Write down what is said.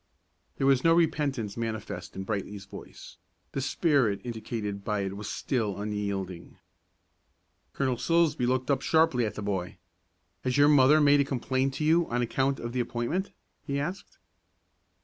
There was no repentance manifest in Brightly's voice; the spirit indicated by it was still unyielding. Colonel Silsbee looked up sharply at the boy. "Has your mother made a complaint to you on account of the appointment?" he asked.